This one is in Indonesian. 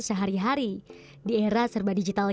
sehari hari di era serba digitalnya